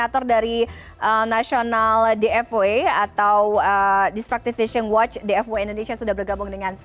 terima kasih mas abdi suhufan